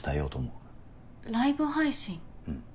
うん。